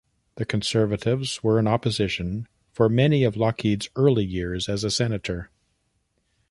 The Conservatives were in opposition for many of Lougheed's early years as a senator.